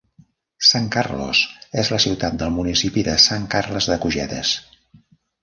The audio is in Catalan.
San Carlos és la ciutat del municipi de Sant Carles de Cojedes.